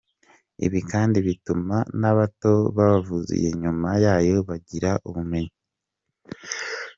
Ibi kandi bituma n’abato bavutse nyuma yayo bagira ubumenyi.